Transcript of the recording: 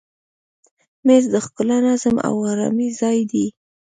مېز د ښکلا، نظم او آرامي ځای دی.